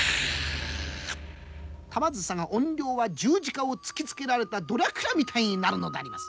玉梓が怨霊は十字架を突きつけられたドラキュラみたいになるのであります。